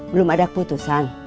belum ada keputusan